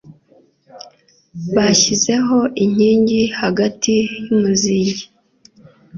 Bashyizeho inkingi hagati yumuzingi.